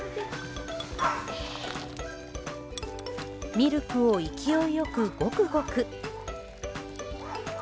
ミルクを勢いよく、ごくごく。